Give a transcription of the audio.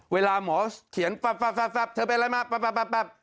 เวลาหมอเขียนแป๊บเธอเป็นอะไรมาแป๊บ